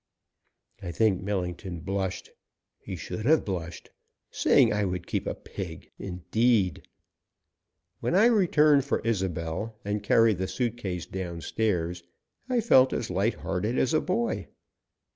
I think Millington blushed. He should have blushed. Saying I would keep a pig, indeed! When I returned for Isobel and carried the suit case downstairs I felt as light hearted as a boy.